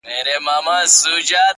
• هر سړي ته خدای ورکړی خپل کمال دی,